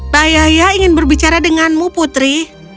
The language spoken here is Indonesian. bayaya ingin berbicara denganmu putri